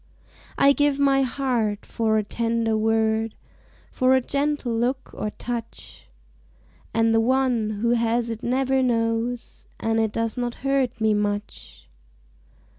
I give my heart for a tender word, For a gentle look or touch, And the one who has it never knows And it does not hurt me much.